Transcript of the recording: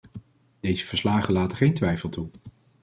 Deze verslagen laten geen twijfel toe.